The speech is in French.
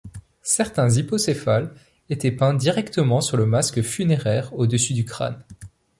Certains hypocéphales étaient peints directement sur le masque funéraire, au-dessus du crâne.